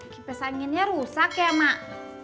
kipis anginnya rusak ya mak